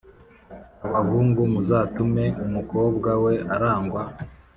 abahungu muzatume umukobwa we aragwa